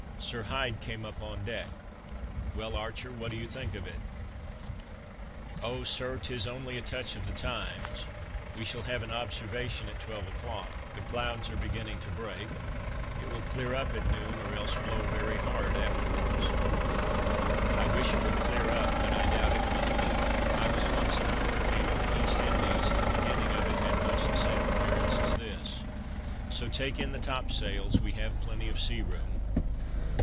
Sir Hyde came upon deck: "Well, Archer, what do you think of it?" "O, Sir, 't is only a touch of the times, we shall have an observation at twelve o'clock; the clouds are beginning to break; it will clear up at noon, or else blow very hard afterwards." "I wish it would clear up, but I doubt it much. I was once in a hurricane in the East Indies, and the beginning of it had much the same appearance as this. So take in the top sails, we have plenty of sea room."